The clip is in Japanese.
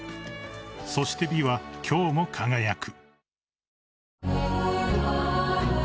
［そして美は今日も輝く］